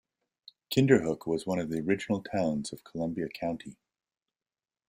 Kinderhook was one of the original towns of Columbia County.